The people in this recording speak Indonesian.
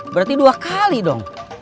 berarti dua kali dong